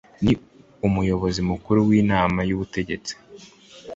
ni umuyobozi mukuru w’inama y’ubutegetsi